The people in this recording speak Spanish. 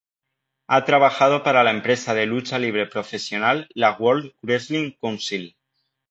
Ha trabajado para la empresa de Lucha libre profesional la World Wrestling Council.